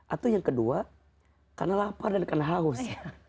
atau yang kedua karena lapar dan karena haus